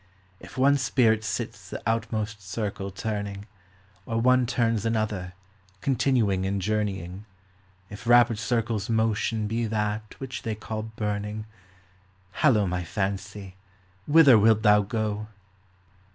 If one spirit sits the outmost circle turning, Or one turns another, continuing in journeying, If rapid circles' motion be that which they call burning ! Hallo, my fancy, whither wilt thou go